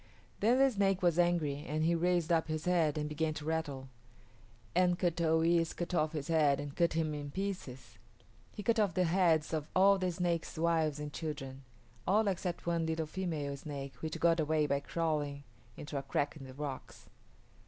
Then the snake was angry and he raised up his head and began to rattle, and Kut o yis´ cut off his head and cut him in pieces. He cut off the heads of all the snake's wives and children; all except one little female snake which got away by crawling into a crack in the rocks.